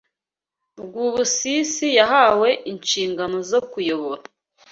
Rwubusisi yahawe inshingano zo kuyobora